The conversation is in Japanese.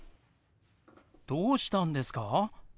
どうしたんですか？